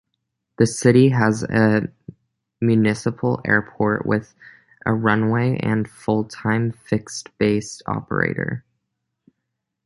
The city has a municipal airport with a runway and full-time Fixed-base operator.